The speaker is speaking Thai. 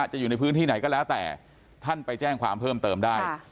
จะอยู่ในพื้นที่ไหนก็แล้วแต่ท่านไปแจ้งความเพิ่มเติมได้